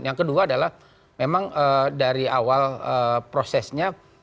yang kedua adalah memang dari awal prosesnya